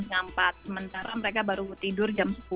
sementara mereka baru tidur jam sepuluh